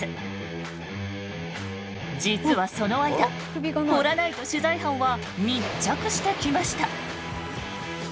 実はその間「掘らナイト」取材班は密着してきました。